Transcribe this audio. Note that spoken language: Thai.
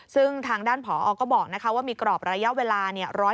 ซึ่งทางด้านผอก็บอกว่ามีกรอบระยะเวลา